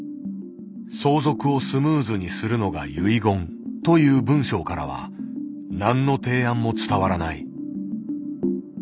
「相続をスムーズにするのが遺言」という文章からは何の提案も伝わらない。